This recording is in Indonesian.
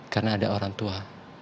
karena ada orang tua